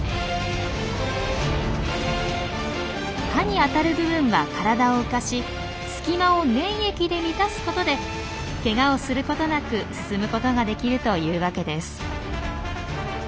刃に当たる部分は体を浮かし隙間を粘液で満たすことでケガをすることなく進むことができるというわけです。